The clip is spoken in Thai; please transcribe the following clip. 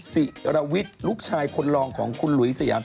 ศิรวิทย์ลูกชายคนรองของคุณหลุยสยาม